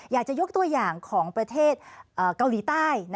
อยากจะยกตัวอย่างของประเทศเกาหลีใต้